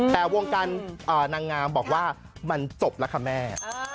แต่วงการนางงามบอกว่ามันจบแล้วค่ะแม่